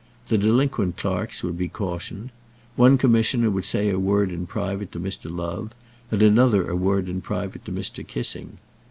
The delinquent clerks would be cautioned. One Commissioner would say a word in private to Mr. Love, and another a word in private to Mr. Kissing.